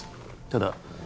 ただ